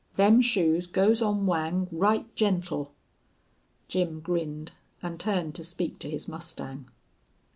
"Them shoes goes on Whang right gentle." Jim grinned, and turned to speak to his mustang.